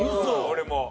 俺も。